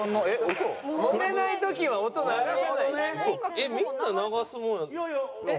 えっみんな流すもんやと。